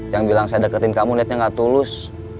yang bilang saya deketin kamu lihatnya gak tulus